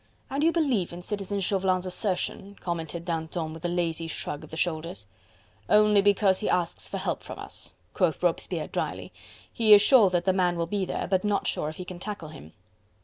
"And you believe in Citizen Chauvelin's assertion," commented Danton with a lazy shrug of the shoulders. "Only because he asks for help from us," quoth Robespierre drily; "he is sure that the man will be there, but not sure if he can tackle him."